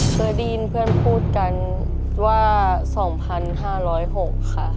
เคยได้ยินเพื่อนพูดกันว่า๒๕๐๖ค่ะ